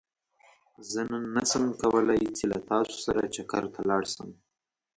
زه نن نه شم کولاي چې له تاسو سره چکرته لاړ شم